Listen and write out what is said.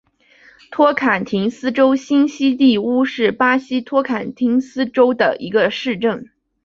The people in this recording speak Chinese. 托坎廷斯州新锡蒂乌是巴西托坎廷斯州的一个市镇。